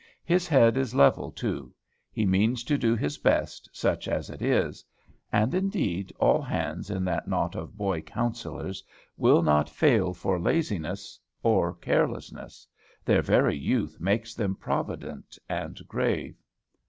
His head is level too; he means to do his best, such as it is; and, indeed, all hands in that knot of boy counsellors will not fail for laziness or carelessness. Their very youth makes them provident and grave.